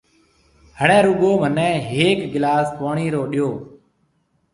هڻيَ رُگو مهنَي هيڪ گلاس پوڻِي رو ڏيو۔